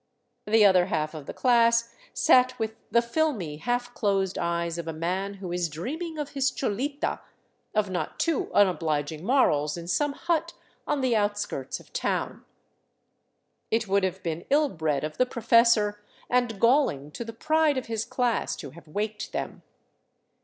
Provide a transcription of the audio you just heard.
The other half of the class sat with. the filmy, half closed eyes of a man who is dreaming of his cholita of not too unobliging morals in some hut on the outskirts of town. It would have been ill bred of the professor, and galling to the " pride " of his class, to have waked them.